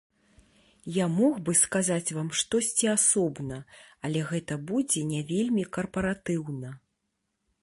Я мог бы сказаць вам штосьці асобна, але гэта будзе не вельмі карпаратыўна.